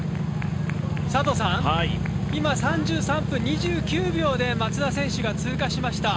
今３３分２９秒で、松田選手が通過しました。